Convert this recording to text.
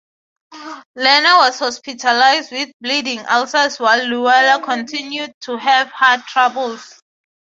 Lerner was hospitalized with bleeding ulcers while Loewe continued to have heart troubles.